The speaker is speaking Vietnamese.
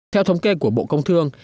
theo thống kê của bộ công thương